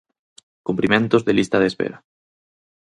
Cumprimentos de lista de espera.